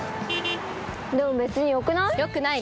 でも別によくない？